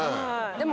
でも